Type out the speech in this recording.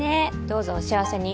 どうぞお幸せに。